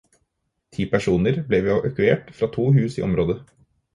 Ti personer ble evakuert fra to hus i området.